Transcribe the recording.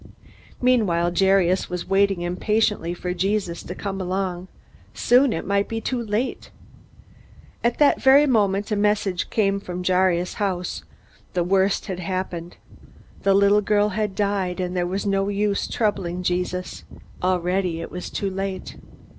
Meanwhile Jairus was waiting impatiently for Jesus to come along. Soon it might be too late! At that very moment a message came from Jairus' house. The worst had happened. The little girl had died, and there was no use troubling Jesus. Already it was too late.